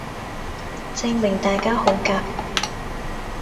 證明大家好夾